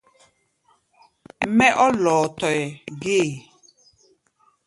Mɛ́ ɔ́ lɔɔtɔɛ gée.